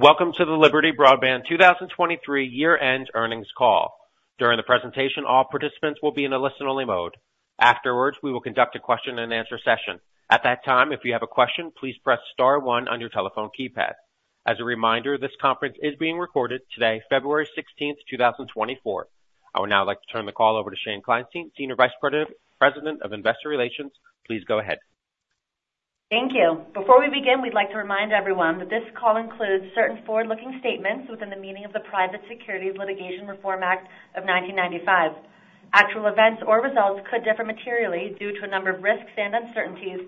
Welcome to the Liberty Broadband 2023 year-end earnings call. During the presentation, all participants will be in a listen-only mode. Afterwards, we will conduct a question-and-answer session. At that time, if you have a question, please press star 1 on your telephone keypad. As a reminder, this conference is being recorded today, February 16, 2024. I would now like to turn the call over to Shane Kleinstein, Senior Vice President of Investor Relations. Please go ahead. Thank you. Before we begin, we'd like to remind everyone that this call includes certain forward-looking statements within the meaning of the Private Securities Litigation Reform Act of 1995. Actual events or results could differ materially due to a number of risks and uncertainties,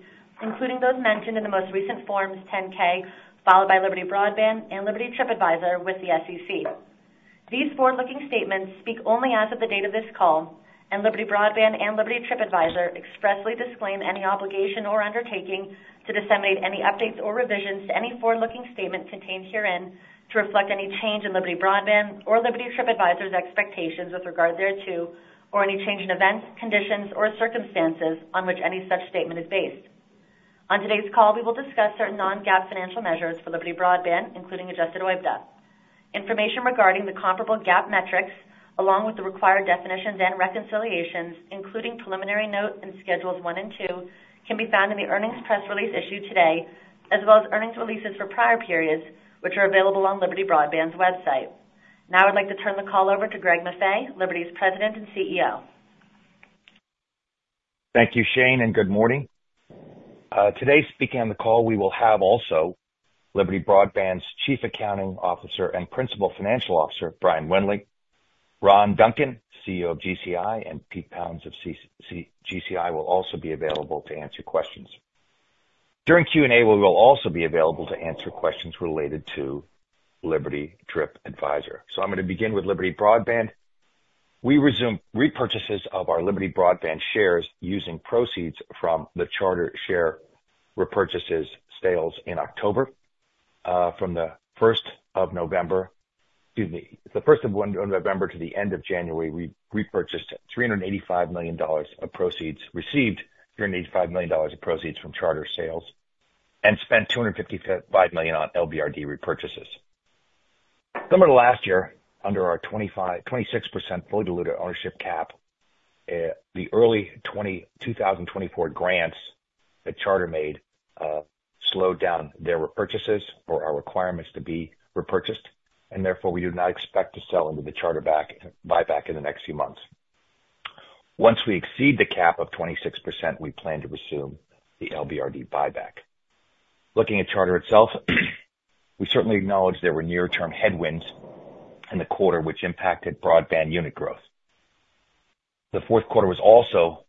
including those mentioned in the most recent Form 10-K filed by Liberty Broadband and Liberty TripAdvisor with the SEC. These forward-looking statements speak only as of the date of this call, and Liberty Broadband and Liberty TripAdvisor expressly disclaim any obligation or undertaking to disseminate any updates or revisions to any forward-looking statement contained herein to reflect any change in Liberty Broadband or Liberty TripAdvisor's expectations with regard thereto or any change in events, conditions, or circumstances on which any such statement is based. On today's call, we will discuss certain non-GAAP financial measures for Liberty Broadband, including Adjusted OIBDA. Information regarding the comparable GAAP metrics, along with the required definitions and reconciliations, including preliminary note and schedules 1 and 2, can be found in the earnings press release issued today, as well as earnings releases for prior periods, which are available on Liberty Broadband's website. Now I'd like to turn the call over to Greg Maffei, Liberty's President and CEO. Thank you, Shane, and good morning. Today speaking on the call, we will have also Liberty Broadband's Chief Accounting Officer and Principal Financial Officer, Brian Wendling. Ron Duncan, CEO of GCI, and Pete Pounds of GCI will also be available to answer questions. During Q&A, we will also be available to answer questions related to Liberty TripAdvisor. So I'm going to begin with Liberty Broadband. We resume repurchases of our Liberty Broadband shares using proceeds from the Charter share repurchases sales in October. From the 1st of November to the end of January, we repurchased $385 million of proceeds received $385 million of proceeds from Charter sales and spent $255 million on LBRD repurchases. Summer of last year, under our 26% fully diluted ownership cap, the early 2024 grants that Charter made slowed down their repurchases or our requirements to be repurchased, and therefore we do not expect to sell into the Charter buyback in the next few months. Once we exceed the cap of 26%, we plan to resume the LBRD buyback. Looking at Charter itself, we certainly acknowledge there were near-term headwinds in the quarter, which impacted broadband unit growth. The fourth quarter was also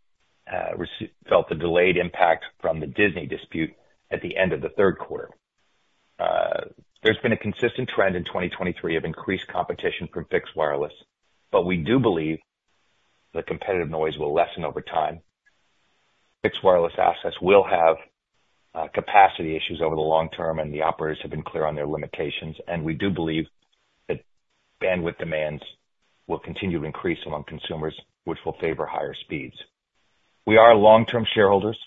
felt the delayed impact from the Disney dispute at the end of the third quarter. There's been a consistent trend in 2023 of increased competition from fixed wireless, but we do believe the competitive noise will lessen over time. Fixed wireless assets will have capacity issues over the long term, and the operators have been clear on their limitations. We do believe that bandwidth demands will continue to increase among consumers, which will favor higher speeds. We are long-term shareholders.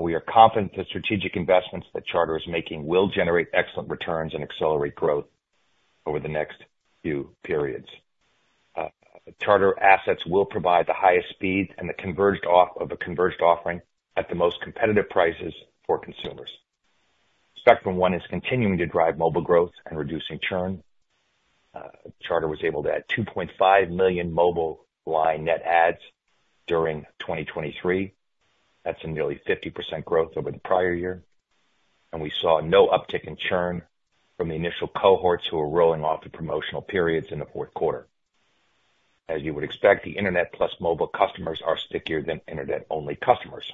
We are confident that strategic investments that Charter is making will generate excellent returns and accelerate growth over the next few periods. Charter assets will provide the highest speed and the converged off of a converged offering at the most competitive prices for consumers. Spectrum One is continuing to drive mobile growth and reducing churn. Charter was able to add 2.5 million mobile line net adds during 2023. That's a nearly 50% growth over the prior year. And we saw no uptick in churn from the initial cohorts who were rolling off the promotional periods in the fourth quarter. As you would expect, the internet plus mobile customers are stickier than internet-only customers.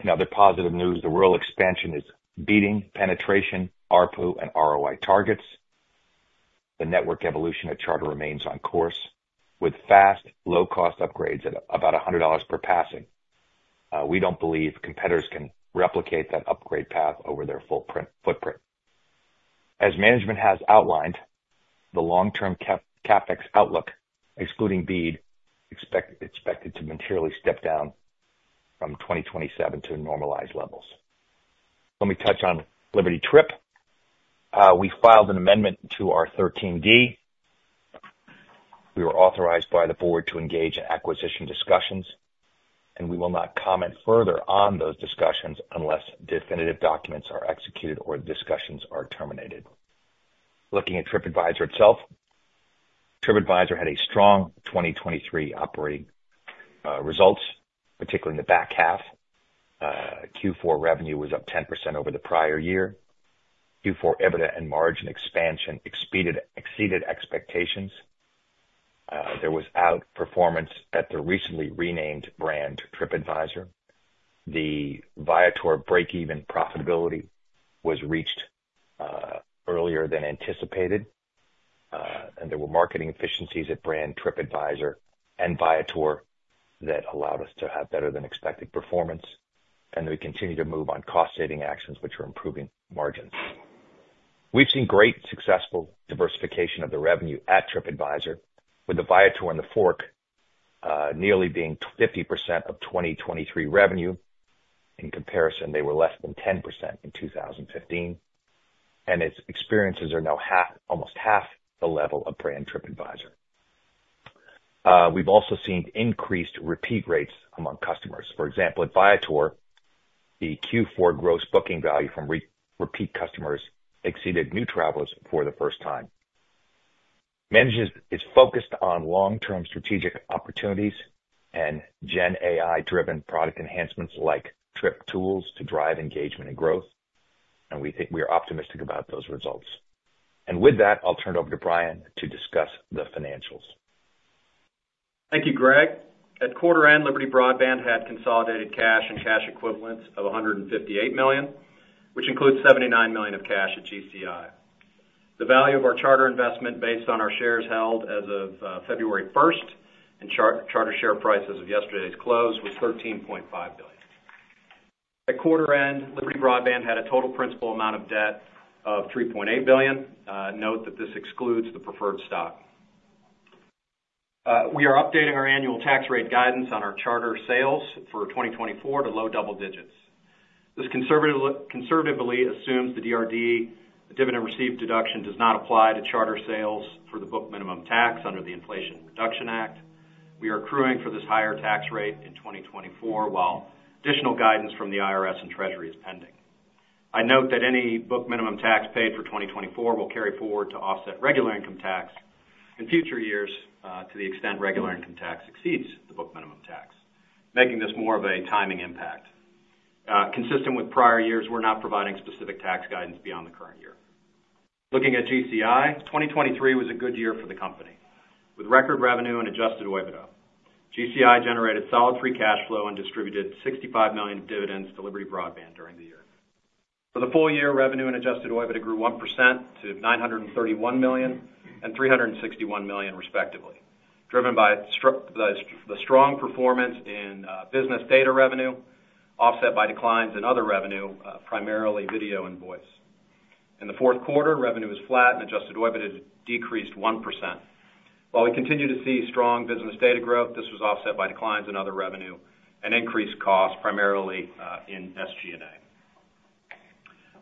In other positive news, the rural expansion is beating penetration, ARPU, and ROI targets. The network evolution at Charter remains on course with fast, low-cost upgrades at about $100 per passing. We don't believe competitors can replicate that upgrade path over their footprint. As management has outlined, the long-term CapEx outlook, excluding BEAD, is expected to materially step down from 2027 to normalized levels. Let me touch on Liberty Trip. We filed an amendment to our 13D. We were authorized by the board to engage in acquisition discussions, and we will not comment further on those discussions unless definitive documents are executed or the discussions are terminated. Looking at Tripadvisor itself, Tripadvisor had a strong 2023 operating results, particularly in the back half. Q4 revenue was up 10% over the prior year. Q4 EBITDA and margin expansion exceeded expectations. There was outperformance at the recently renamed brand Tripadvisor. The Viator break-even profitability was reached earlier than anticipated, and there were marketing efficiencies at brand Tripadvisor and Viator that allowed us to have better than expected performance. We continue to move on cost-saving actions, which are improving margins. We've seen great, successful diversification of the revenue at Tripadvisor, with the Viator and TheFork nearly being 50% of 2023 revenue. In comparison, they were less than 10% in 2015, and its experiences are now almost half the level of brand Tripadvisor. We've also seen increased repeat rates among customers. For example, at Viator, the Q4 gross booking value from repeat customers exceeded new travelers for the first time. Management is focused on long-term strategic opportunities and Gen AI-driven product enhancements like trip tools to drive engagement and growth, and we are optimistic about those results. And with that, I'll turn it over to Brian to discuss the financials. Thank you, Greg. At quarter-end, Liberty Broadband had consolidated cash and cash equivalents of $158 million, which includes $79 million of cash at GCI. The value of our charter investment based on our shares held as of February 1st and charter share price as of yesterday's close was $13.5 billion. At quarter-end, Liberty Broadband had a total principal amount of debt of $3.8 billion. Note that this excludes the preferred stock. We are updating our annual tax rate guidance on our charter sales for 2024 to low double digits. This conservatively assumes the DRD dividend received deduction does not apply to charter sales for the book minimum tax under the Inflation Reduction Act. We are accruing for this higher tax rate in 2024 while additional guidance from the IRS and Treasury is pending. I note that any book minimum tax paid for 2024 will carry forward to offset regular income tax in future years to the extent regular income tax exceeds the book minimum tax, making this more of a timing impact. Consistent with prior years, we're not providing specific tax guidance beyond the current year. Looking at GCI, 2023 was a good year for the company with record revenue and adjusted OIBDA. GCI generated solid free cash flow and distributed $65 million dividends to Liberty Broadband during the year. For the full year, revenue and adjusted OIBDA grew 1% to $931 million and $361 million, respectively, driven by the strong performance in business data revenue offset by declines in other revenue, primarily video and voice. In the fourth quarter, revenue is flat, and adjusted OIBDA decreased 1%. While we continue to see strong business data growth, this was offset by declines in other revenue and increased costs, primarily in SG&A.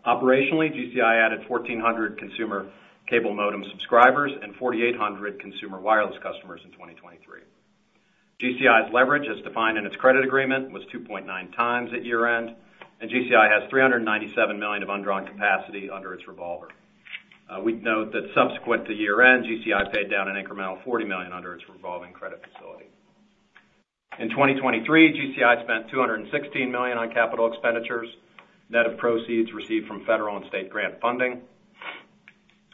Operationally, GCI added 1,400 consumer cable modem subscribers and 4,800 consumer wireless customers in 2023. GCI's leverage, as defined in its credit agreement, was 2.9 times at year-end, and GCI has $397 million of undrawn capacity under its revolver. We'd note that subsequent to year-end, GCI paid down an incremental $40 million under its revolving credit facility. In 2023, GCI spent $216 million on capital expenditures net of proceeds received from federal and state grant funding.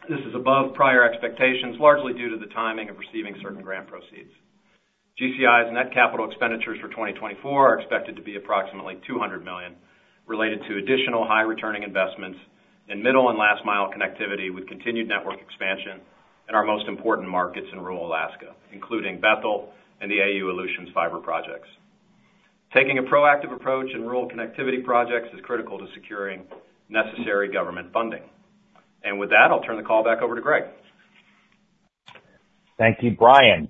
This is above prior expectations, largely due to the timing of receiving certain grant proceeds. GCI's net capital expenditures for 2024 are expected to be approximately $200 million related to additional high-returning investments in middle and last-mile connectivity with continued network expansion in our most important markets in rural Alaska, including Bethel and the Aleutian Islands fiber projects. Taking a proactive approach in rural connectivity projects is critical to securing necessary government funding. With that, I'll turn the call back over to Greg. Thank you, Brian.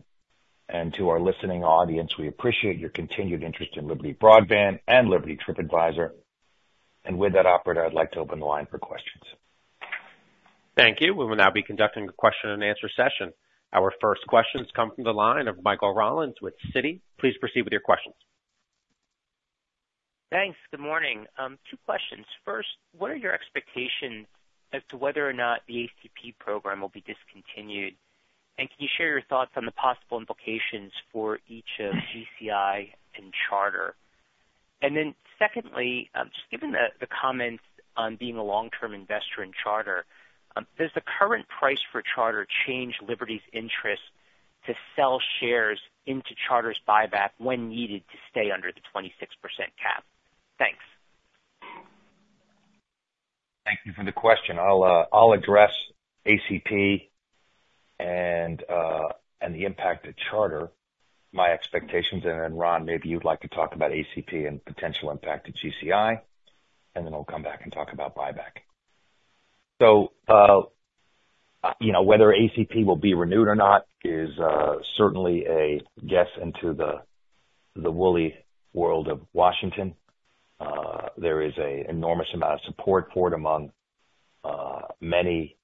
To our listening audience, we appreciate your continued interest in Liberty Broadband and Liberty TripAdvisor. With that, operator, I'd like to open the line for questions. Thank you. We will now be conducting a question-and-answer session. Our first questions come from the line of Michael Rollins with Citi. Please proceed with your questions. Thanks. Good morning. Two questions. First, what are your expectations as to whether or not the ACP program will be discontinued? And can you share your thoughts on the possible implications for each of GCI and Charter? And then secondly, just given the comments on being a long-term investor in Charter, does the current price for Charter change Liberty's interest to sell shares into Charter's buyback when needed to stay under the 26% cap? Thanks. Thank you for the question. I'll address ACP and the impact to Charter, my expectations, and then Ron, maybe you'd like to talk about ACP and potential impact to GCI, and then we'll come back and talk about buyback. So whether ACP will be renewed or not is certainly a guess into the woolly world of Washington. There is an enormous amount of support for it among many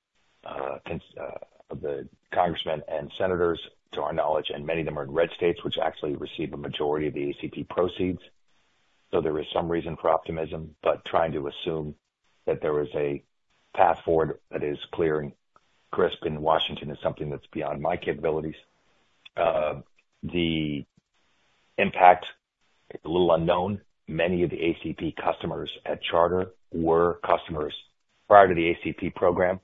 of the congressmen and senators, to our knowledge, and many of them are in red states, which actually receive a majority of the ACP proceeds. So there is some reason for optimism, but trying to assume that there is a path forward that is clear and crisp in Washington is something that's beyond my capabilities. The impact is a little unknown. Many of the ACP customers at Charter were customers prior to the ACP program.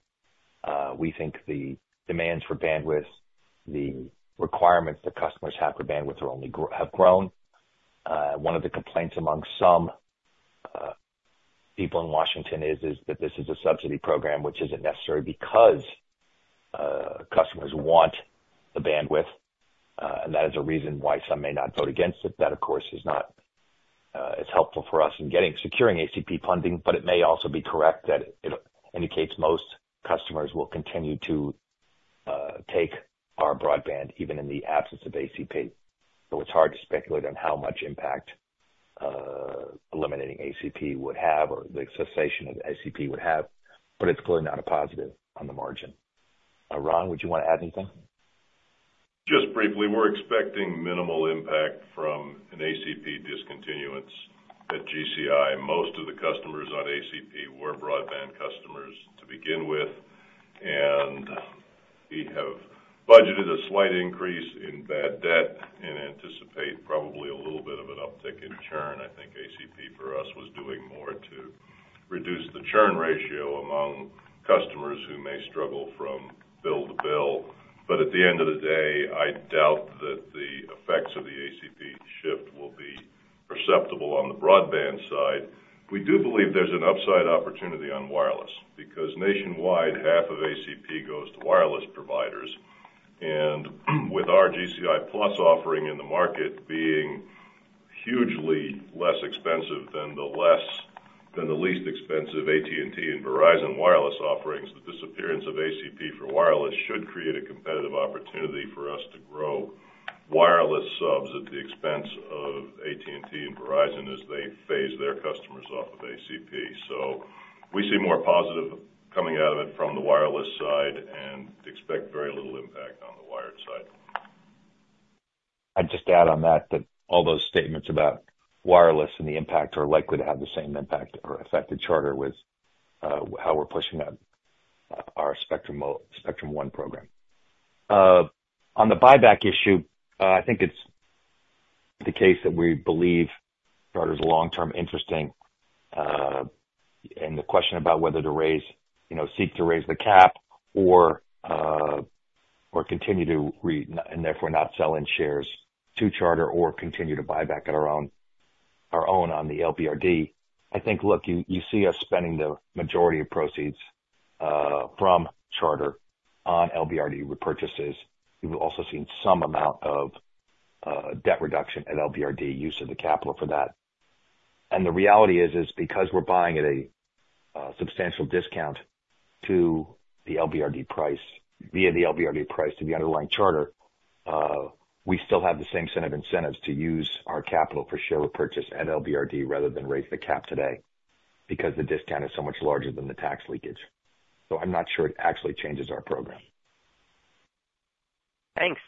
We think the demands for bandwidth, the requirements that customers have for bandwidth have grown. One of the complaints among some people in Washington is that this is a subsidy program, which isn't necessary because customers want the bandwidth, and that is a reason why some may not vote against it. That, of course, is helpful for us in securing ACP funding, but it may also be correct that it indicates most customers will continue to take our broadband even in the absence of ACP. So it's hard to speculate on how much impact eliminating ACP would have or the cessation of ACP would have, but it's clearly not a positive on the margin. Ron, would you want to add anything? Just briefly, we're expecting minimal impact from an ACP discontinuance at GCI. Most of the customers on ACP were broadband customers to begin with, and we have budgeted a slight increase in bad debt and anticipate probably a little bit of an uptick in churn. I think ACP for us was doing more to reduce the churn ratio among customers who may struggle from bill to bill. But at the end of the day, I doubt that the effects of the ACP shift will be perceptible on the broadband side. We do believe there's an upside opportunity on wireless because nationwide, half of ACP goes to wireless providers. With our GCI+ offering in the market being hugely less expensive than the least expensive AT&T and Verizon wireless offerings, the disappearance of ACP for wireless should create a competitive opportunity for us to grow wireless subs at the expense of AT&T and Verizon as they phase their customers off of ACP. We see more positive coming out of it from the wireless side and expect very little impact on the wired side. I'd just add that all those statements about wireless and the impact are likely to have the same impact or affect Charter with how we're pushing our Spectrum One program. On the buyback issue, I think it's the case that we believe Charter is long-term interesting. The question about whether to seek to raise the cap or continue to, and therefore, not sell in shares to Charter or continue to buy back our own on the LBRD, I think, look, you see us spending the majority of proceeds from Charter on LBRD repurchases. We've also seen some amount of debt reduction at LBRD, use of the capital for that. The reality is, because we're buying at a substantial discount to the LBRD price, via the LBRD price to the underlying charter, we still have the same set of incentives to use our capital for share repurchase at LBRD rather than raise the cap today because the discount is so much larger than the tax leakage. So I'm not sure it actually changes our program. Thanks.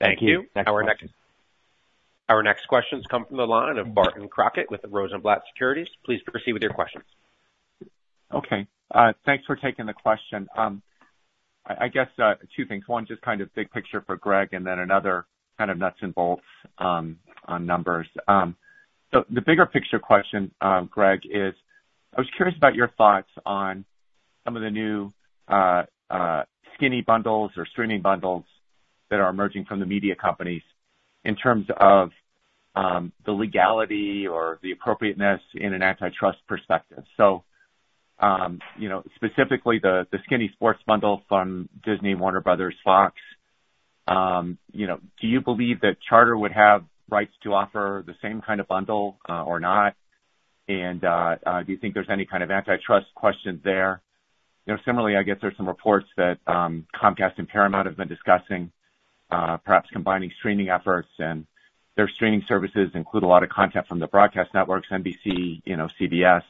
Thank you. Thank you. Our next questions come from the line of Barton Crockett with Rosenblatt Securities. Please proceed with your questions. Okay. Thanks for taking the question. I guess two things. One, just kind of big picture for Greg, and then another kind of nuts and bolts on numbers. So the bigger picture question, Greg, is I was curious about your thoughts on some of the new skinny bundles or streaming bundles that are emerging from the media companies in terms of the legality or the appropriateness in an antitrust perspective. So specifically, the skinny sports bundle from Disney, Warner Bros., Fox, do you believe that Charter would have rights to offer the same kind of bundle or not? And do you think there's any kind of antitrust questions there? Similarly, I guess there's some reports that Comcast and Paramount have been discussing, perhaps combining streaming efforts. And their streaming services include a lot of content from the broadcast networks, NBC, CBS.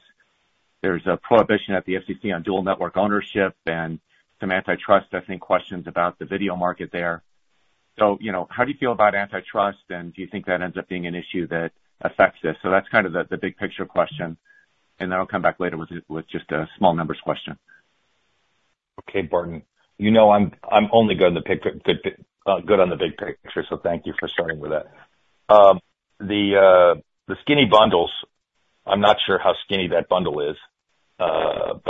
There's a prohibition at the FCC on dual network ownership and some antitrust, I think, questions about the video market there. So how do you feel about antitrust, and do you think that ends up being an issue that affects this? So that's kind of the big picture question. And then I'll come back later with just a small numbers question. Okay, Barton. I'm only good on the big picture, so thank you for starting with that. The skinny bundles, I'm not sure how skinny that bundle is, and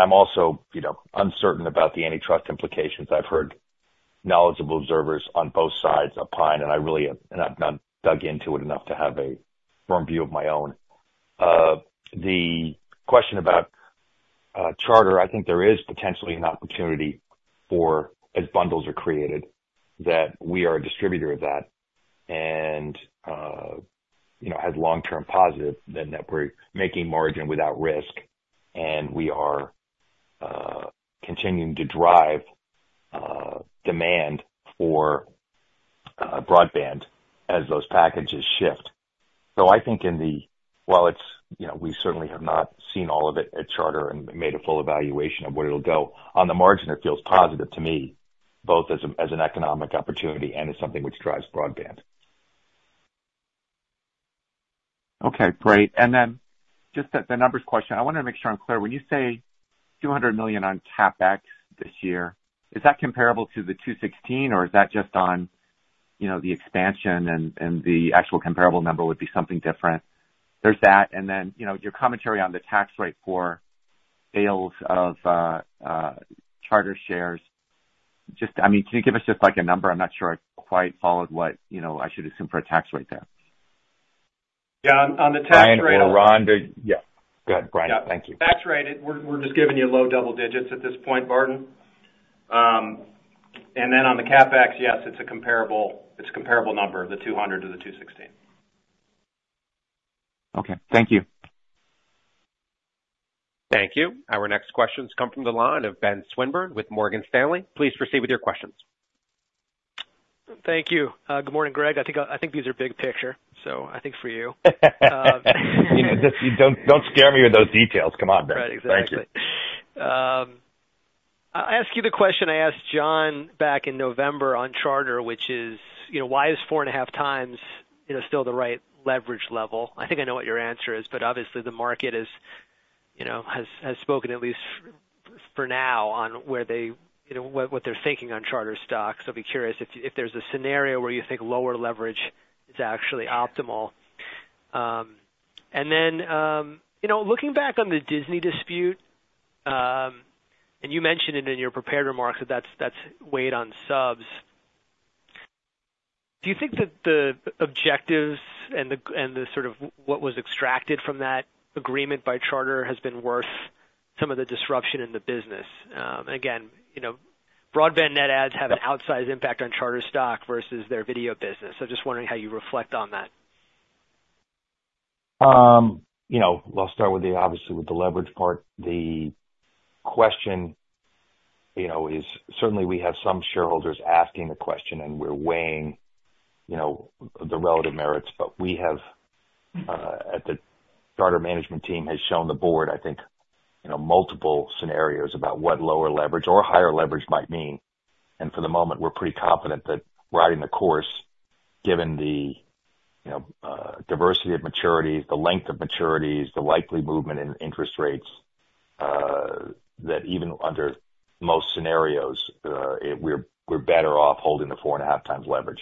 I'm also uncertain about the antitrust implications. I've heard knowledgeable observers on both sides opine, and I've not dug into it enough to have a firm view of my own. The question about Charter, I think there is potentially an opportunity for, as bundles are created, that we are a distributor of that and has long-term positive that we're making margin without risk, and we are continuing to drive demand for broadband as those packages shift. So I think in the while we certainly have not seen all of it at Charter and made a full evaluation of where it'll go, on the margin, it feels positive to me, both as an economic opportunity and as something which drives broadband. Okay. Great. And then just the numbers question. I wanted to make sure I'm clear. When you say $200 million on CapEx this year, is that comparable to the $216 million, or is that just on the expansion, and the actual comparable number would be something different? There's that. And then your commentary on the tax rate for sales of Charter shares. I mean, can you give us just a number? I'm not sure I quite followed what I should assume for a tax rate there. Yeah. On the tax rate. Brian Wendling. Ron, to you. Yeah. Go ahead, Brian. Thank you. Yeah. Tax rate, we're just giving you low double digits at this point, Barton. And then on the CapEx, yes, it's a comparable number, the 200-216. Okay. Thank you. Thank you. Our next questions come from the line of Ben Swinburne with Morgan Stanley. Please proceed with your questions. Thank you. Good morning, Greg. I think these are big picture, so I think for you. Don't scare me with those details. Come on, Ben. Thank you. Right. Exactly. I asked you the question I asked John back in November on Charter, which is, why is 4.5x still the right leverage level? I think I know what your answer is, but obviously, the market has spoken, at least for now, on what they're thinking on Charter stocks. I'd be curious if there's a scenario where you think lower leverage is actually optimal. And then looking back on the Disney dispute, and you mentioned it in your prepared remarks that that's weighed on subs, do you think that the objectives and sort of what was extracted from that agreement by Charter has been worth some of the disruption in the business? Again, broadband net ads have an outsized impact on Charter stock versus their video business. So just wondering how you reflect on that. Well, I'll start with, obviously, with the leverage part. The question is certainly, we have some shareholders asking the question, and we're weighing the relative merits. But we have, at the Charter management team, shown the board, I think, multiple scenarios about what lower leverage or higher leverage might mean. And for the moment, we're pretty confident that we're riding the course, given the diversity of maturities, the length of maturities, the likely movement in interest rates, that even under most scenarios, we're better off holding the 4.5x leverage.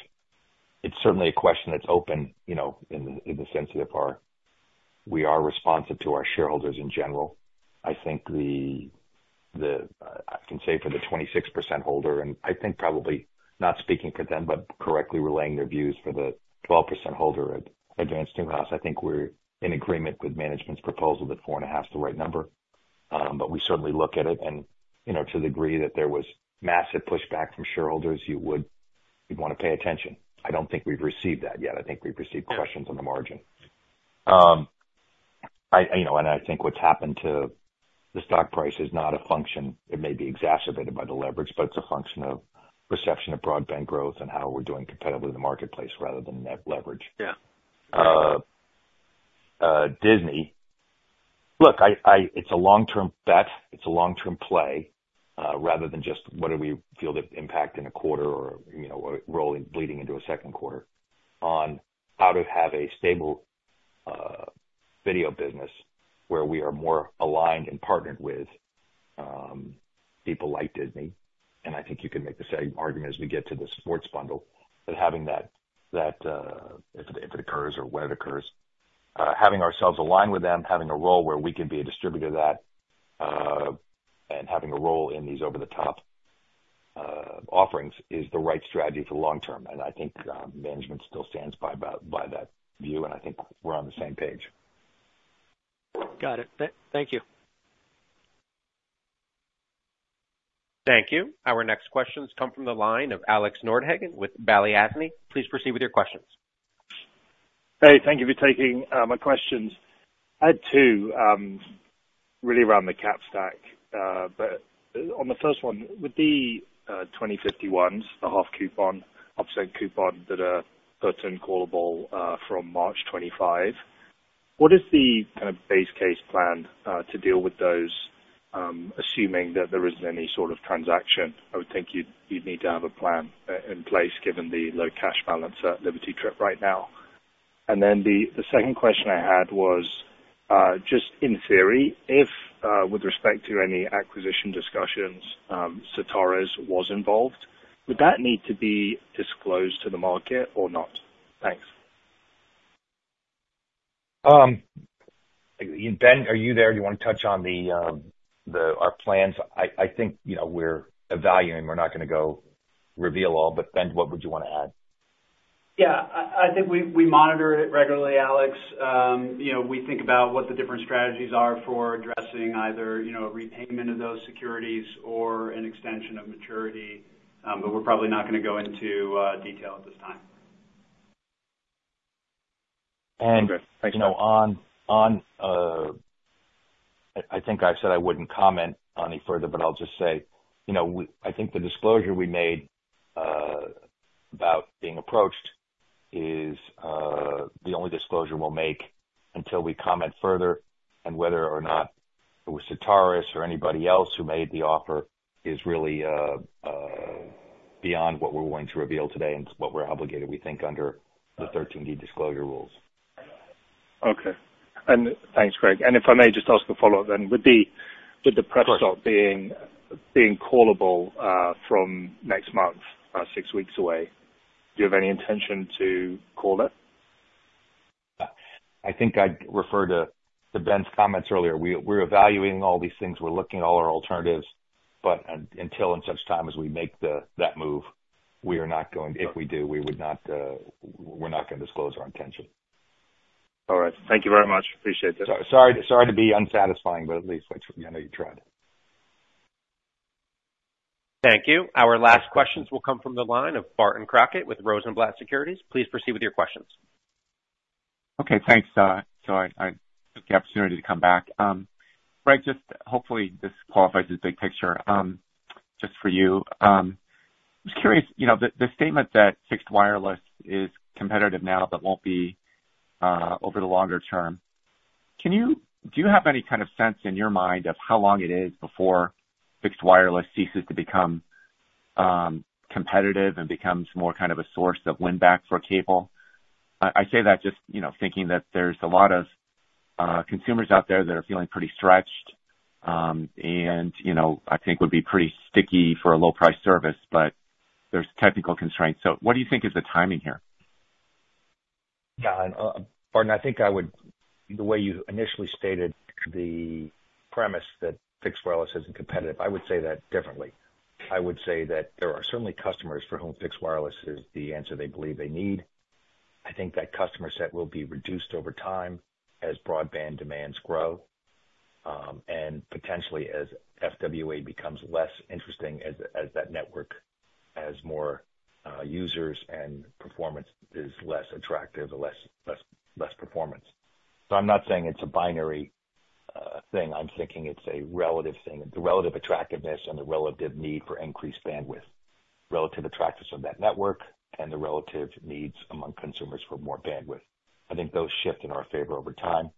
It's certainly a question that's open in the sense that we are responsive to our shareholders in general. I think I can say for the 26% holder, and I think probably not speaking for them, but correctly relaying their views for the 12% holder at Advance Newhouse, I think we're in agreement with management's proposal that 4.5 is the right number. But we certainly look at it, and to the degree that there was massive pushback from shareholders, you'd want to pay attention. I don't think we've received that yet. I think we've received questions on the margin. And I think what's happened to the stock price is not a function, it may be exacerbated by the leverage, but it's a function of perception of broadband growth and how we're doing competitively in the marketplace rather than net leverage. Look, it's a long-term bet. It's a long-term play rather than just, "What do we feel the impact in a quarter or bleeding into a second quarter?" on how to have a stable video business where we are more aligned and partnered with people like Disney. And I think you can make the same argument as we get to the sports bundle, that having that, if it occurs or when it occurs, having ourselves aligned with them, having a role where we can be a distributor of that, and having a role in these over-the-top offerings is the right strategy for the long term. And I think management still stands by that view, and I think we're on the same page. Got it. Thank you. Thank you. Our next questions come from the line of Alex Nordhagen with Balyasny. Please proceed with your questions. Hey. Thank you for taking my questions. I had two really around the cap stack. But on the first one, with the 2051s, the half coupon, half percent coupon that are put in callable from March 25, what is the kind of base case plan to deal with those, assuming that there isn't any sort of transaction? I would think you'd need to have a plan in place given the low cash balance at Liberty TripAdvisor right now. And then the second question I had was, just in theory, if with respect to any acquisition discussions, Certares was involved, would that need to be disclosed to the market or not? Thanks. Ben, are you there? Do you want to touch on our plans? I think we're evaluating. We're not going to go reveal all. But Ben, what would you want to add? Yeah. I think we monitor it regularly, Alex. We think about what the different strategies are for addressing either a repayment of those securities or an extension of maturity. But we're probably not going to go into detail at this time. I think I said I wouldn't comment on any further, but I'll just say I think the disclosure we made about being approached is the only disclosure we'll make until we comment further. Whether or not it was Certares or anybody else who made the offer is really beyond what we're willing to reveal today and what we're obligated, we think, under the 13D disclosure rules. Okay. Thanks, Greg. If I may just ask a follow-up then, with the preferred stock being callable from next month, six weeks away, do you have any intention to call it? I think I'd refer to Ben's comments earlier. We're evaluating all these things. We're looking at all our alternatives. But until and such time as we make that move, we are not going to if we do, we're not going to disclose our intention. All right. Thank you very much. Appreciate this. Sorry to be unsatisfying, but at least I know you tried. Thank you. Our last questions will come from the line of Barton Crockett with Rosenblatt Securities. Please proceed with your questions. Okay. Thanks, Todd, for the opportunity to come back. Greg, hopefully, this qualifies as big picture just for you. I was curious. The statement that fixed wireless is competitive now, but won't be over the longer term, do you have any kind of sense in your mind of how long it is before fixed wireless ceases to become competitive and becomes more kind of a source of win-back for cable? I say that just thinking that there's a lot of consumers out there that are feeling pretty stretched and I think would be pretty sticky for a low-price service, but there's technical constraints. So what do you think is the timing here? Yeah. Barton, I think the way you initially stated the premise that fixed wireless isn't competitive, I would say that differently. I would say that there are certainly customers for whom fixed wireless is the answer they believe they need. I think that customer set will be reduced over time as broadband demands grow and potentially as FWA becomes less interesting, as that network has more users and performance is less attractive, less performance. So I'm not saying it's a binary thing. I'm thinking it's a relative thing, the relative attractiveness and the relative need for increased bandwidth, relative attractiveness of that network, and the relative needs among consumers for more bandwidth. I think those shift in our favor over time.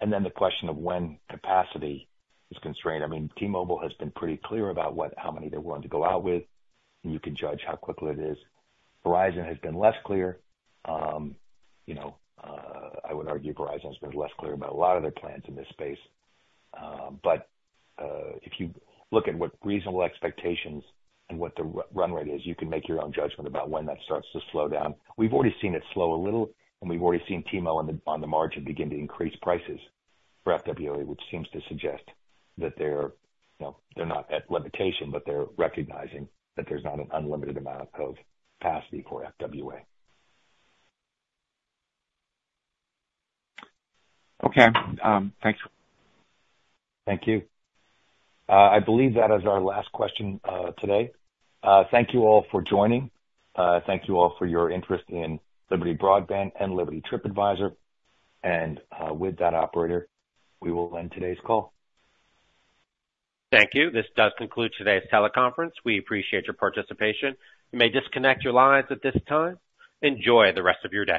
And then the question of when capacity is constrained. I mean, T-Mobile has been pretty clear about how many they're willing to go out with, and you can judge how quickly it is. Verizon has been less clear. I would argue Verizon has been less clear about a lot of their plans in this space. But if you look at what reasonable expectations and what the run rate is, you can make your own judgment about when that starts to slow down. We've already seen it slow a little, and we've already seen T-Mobile on the margin begin to increase prices for FWA, which seems to suggest that they're not at limitation, but they're recognizing that there's not an unlimited amount of capacity for FWA. Okay. Thanks. Thank you. I believe that is our last question today. Thank you all for joining. Thank you all for your interest in Liberty Broadband and Liberty TripAdvisor. And with that, operator, we will end today's call. Thank you. This does conclude today's teleconference. We appreciate your participation. You may disconnect your lines at this time. Enjoy the rest of your day.